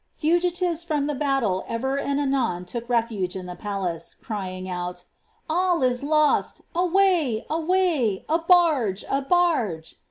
Fugitives from the battle ever and anon took refuge in the palace, crying out, '^ All is lost — away, away! a barge, a barge?"